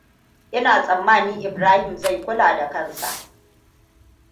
Ina tsammani Ibrahim zai kula da kansa.